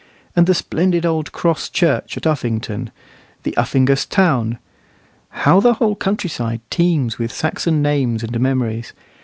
And the splendid old cross church at Uffington, the Uffingas town. How the whole countryside teems with Saxon names and memories!